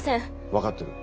分かってる。